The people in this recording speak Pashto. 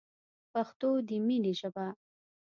پښتو دی مینی ژبه